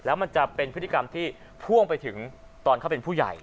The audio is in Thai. แล้วมันจะเป็นพฤติกรรมที่พ่วงไปถึงตอนเขาเป็นผู้ใหญ่